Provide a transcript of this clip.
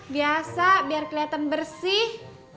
biasa biar keliatan bersih